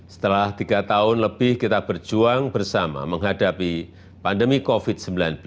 setelah tiga tahun lebih kita berjuang bersama menghadapi pandemi covid sembilan belas